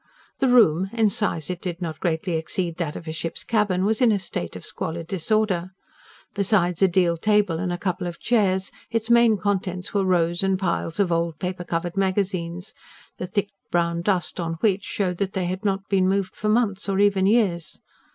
The room in size it did not greatly exceed that of a ship's cabin was in a state of squalid disorder. Besides a deal table and a couple of chairs, its main contents were rows and piles of old paper covered magazines, the thick brown dust on which showed that they had not been moved for months or even years.